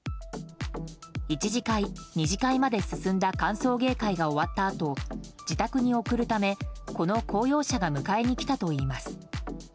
一次会、二次会まで進んだ歓送迎会が終わったあと、自宅に送るためこの公用車が迎えに来たといいます。